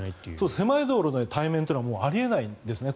狭い道路で対面というのはあり得ないんですね